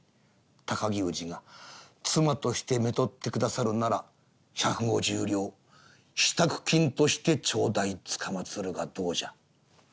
高木氏が妻としてめとって下さるなら百五十両支度金として頂戴つかまつるがどうじゃ？」。